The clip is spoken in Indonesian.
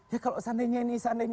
ya kalau seandainya ini